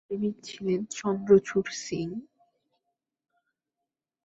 আর তাঁর প্রেমিক ছিলেন চন্দ্রচূড় সিং।